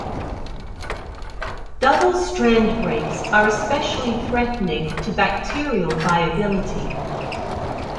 Double-strand breaks are especially threatening to bacterial viability.